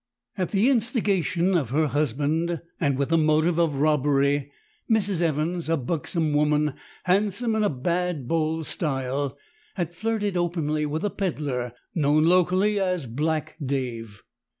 "At the instigation of her husband, and with the motive of robbery, Mrs. Evans, a buxom woman handsome in a bad bold style had flirted openly with a pedlar, known locally as 'Black Dave.